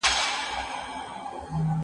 زه اجازه لرم چي يادونه وکړم